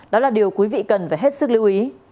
đó là điều quý vị cần phải hết sức lưu ý